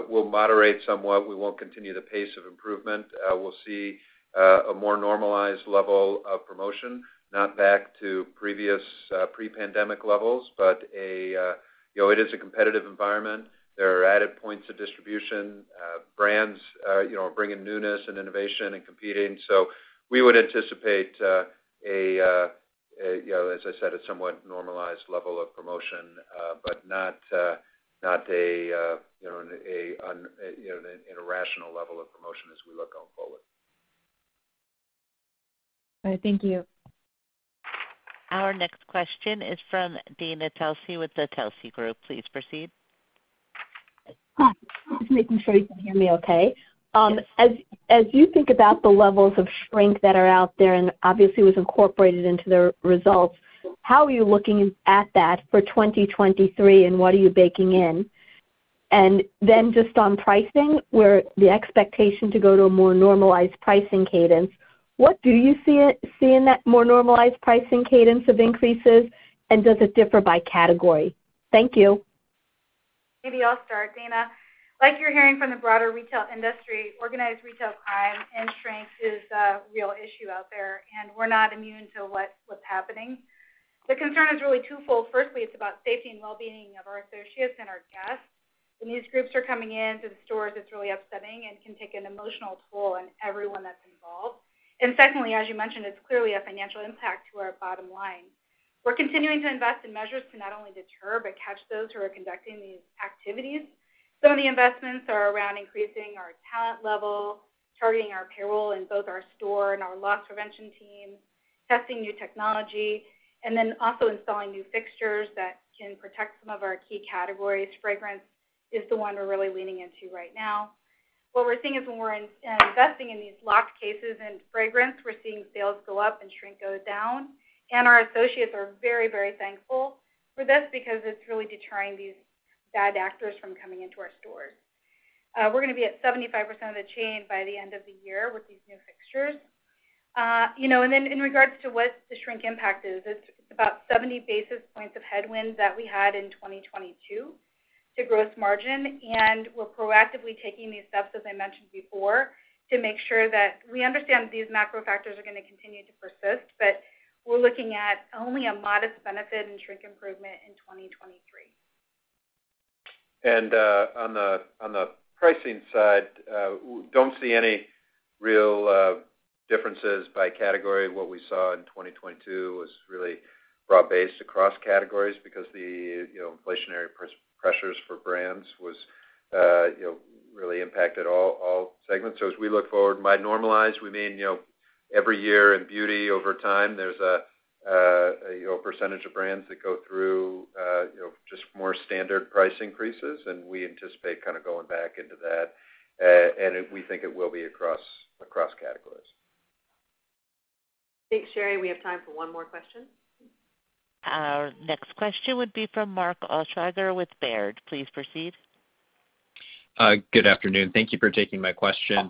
will moderate somewhat. We won't continue the pace of improvement. We'll see a more normalized level of promotion, not back to previous pre-pandemic levels, but a, you know, it is a competitive environment. There are added points of distribution. Brands, you know, are bringing newness and innovation and competing. We would anticipate a, you know, as I said, a somewhat normalized level of promotion, but not a, you know, an irrational level of promotion as we look going forward. All right. Thank you. Our next question is from Dana Telsey with Telsey Advisory Group. Please proceed. Hi. Just making sure you can hear me okay. Yes. As you think about the levels of shrink that are out there, and obviously it was incorporated into the results, how are you looking at that for 2023, and what are you baking in? Just on pricing, where the expectation to go to a more normalized pricing cadence, what do you see in that more normalized pricing cadence of increases, does it differ by category? Thank you. Maybe I'll start, Dana. Like you're hearing from the broader retail industry, organized retail crime and shrink is a real issue out there, we're not immune to what's happening. The concern is really twofold. Firstly, it's about safety and well-being of our associates and our guests. When these groups are coming in to the stores, it's really upsetting and can take an emotional toll on everyone that's involved. Secondly, as you mentioned, it's clearly a financial impact to our bottom line. We're continuing to invest in measures to not only deter, but catch those who are conducting these activities. Some of the investments are around increasing our talent level, targeting our payroll in both our store and our loss prevention team, testing new technology, also installing new fixtures that can protect some of our key categories. Fragrance is the one we're really leaning into right now. What we're seeing is when we're investing in these locked cases in fragrance, we're seeing sales go up and shrink go down. Our associates are very, very thankful for this because it's really deterring these bad actors from coming into our stores. We're gonna be at 75% of the chain by the end of the year with these new fixtures. You know, in regards to what the shrink impact is, it's about 70 basis points of headwind that we had in 2022 to gross margin, and we're proactively taking these steps, as I mentioned before, to make sure that we understand these macro factors are gonna continue to persist. We're looking at only a modest benefit and shrink improvement in 2023. On the pricing side, we don't see any real differences by category. What we saw in 2022 was really broad-based across categories because the, you know, inflationary pressures for brands was, you know, really impacted all segments. As we look forward, by normalize, we mean, you know, every year in beauty over time, there's a, you know, percentage of brands that go through, you know, just more standard price increases, and we anticipate kinda going back into that. We think it will be across categories. Thanks, Sherry. We have time for one more question. Our next question would be from Mark Altschwager with Baird. Please proceed. Good afternoon. Thank you for taking my question.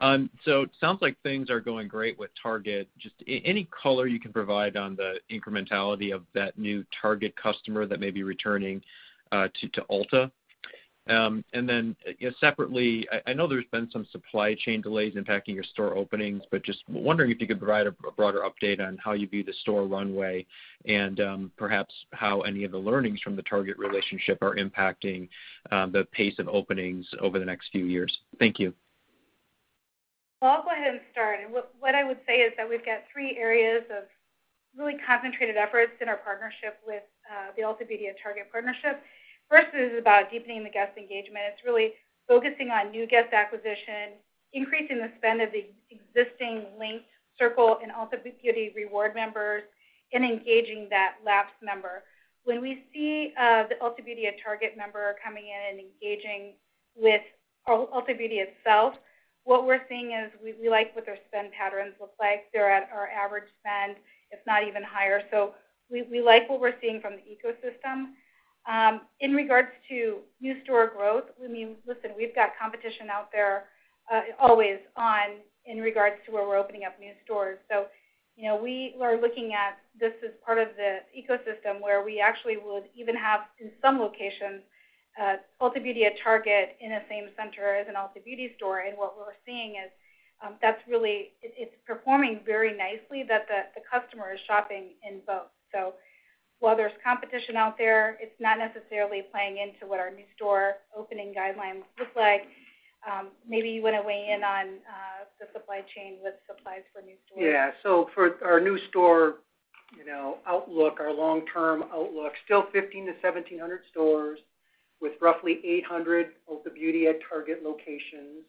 It sounds like things are going great with Target. Just any color you can provide on the incrementality of that new Target customer that may be returning to Ulta. You know, separately, I know there's been some supply chain delays impacting your store openings, but just wondering if you could provide a broader update on how you view the store runway and perhaps how any of the learnings from the Target relationship are impacting the pace of openings over the next few years. Thank you. Well, I'll go ahead and start. What I would say is that we've got three areas of really concentrated efforts in our partnership with the Ulta Beauty at Target partnership. First is about deepening the guest engagement. It's really focusing on new guest acquisition, increasing the spend of the existing linked circle and Ulta Beauty reward members, and engaging that lapsed member. When we see the Ulta Beauty at Target member coming in and engaging with Ulta Beauty itself, what we're seeing is we like what their spend patterns look like. They're at our average spend, if not even higher. So we like what we're seeing from the ecosystem. In regards to new store growth, I mean, listen, we've got competition out there, always on in regards to where we're opening up new stores. You know, we are looking at this as part of the ecosystem where we actually would even have, in some locations, Ulta Beauty at Target in the same center as an Ulta Beauty store. What we're seeing is, it's performing very nicely that the customer is shopping in both. While there's competition out there, it's not necessarily playing into what our new store opening guidelines look like. Maybe you wanna weigh in on the supply chain with supplies for new stores. Yeah. For our new store, you know, outlook, our long-term outlook, still 1,500-1,700 stores with roughly 800 Ulta Beauty at Target locations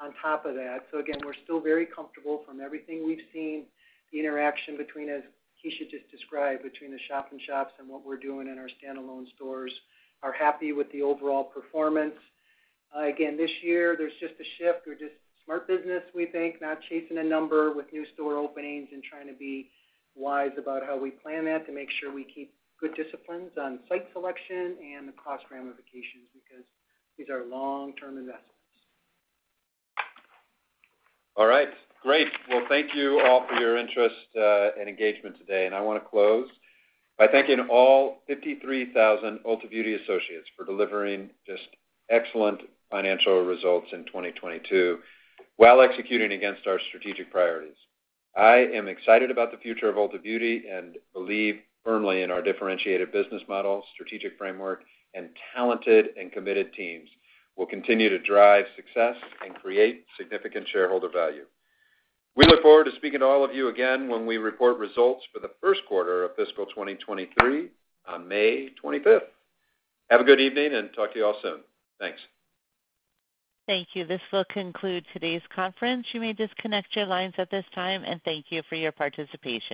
on top of that. Again, we're still very comfortable from everything we've seen, the interaction between, as Kecia just described, between the shop-in-shops and what we're doing in our standalone stores, are happy with the overall performance. Again, this year, there's just a shift. We're just smart business, we think, not chasing a number with new store openings and trying to be wise about how we plan that to make sure we keep good disciplines on site selection and the cost ramifications because these are long-term investments. All right. Great. Well, thank you all for your interest, and engagement today. I wanna close by thanking all 53,000 Ulta Beauty associates for delivering just excellent financial results in 2022 while executing against our strategic priorities. I am excited about the future of Ulta Beauty and believe firmly in our differentiated business model, strategic framework, and talented and committed teams will continue to drive success and create significant shareholder value. We look forward to speaking to all of you again when we report results for the first quarter of fiscal 2023 on May 25th. Have a good evening, and talk to you all soon. Thanks. Thank you. This will conclude today's conference. You may disconnect your lines at this time, and thank you for your participation.